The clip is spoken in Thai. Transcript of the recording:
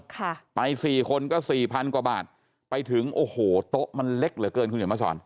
ค่ะไปสี่คนก็สี่พันกว่าบาทไปถึงโอ้โหโต๊ะมันเล็กเหลือเกินคุณเห็นมาสอน